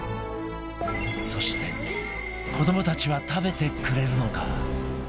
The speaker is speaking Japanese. そして、子どもたちは食べてくれるのか？